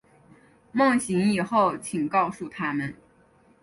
梦醒以后请告诉他们